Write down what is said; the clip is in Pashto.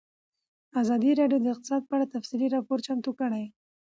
ازادي راډیو د اقتصاد په اړه تفصیلي راپور چمتو کړی.